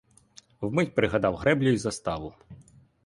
Вмить пригадав греблю й заставу.